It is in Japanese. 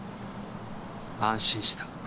安心した。